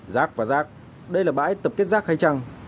rác và rác đây là bãi tập kết rác hay trăng